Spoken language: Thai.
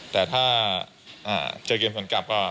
แต่ถ้าเจอเกมสวนกลับก็